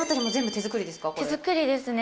手作りですね。